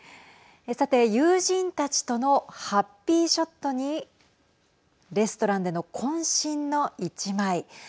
さて、友人たちとのハッピーショットにレストランでの、こん身の１枚。